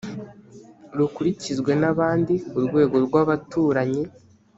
rukurikizwe n abandi ku rwego rw abaturanyi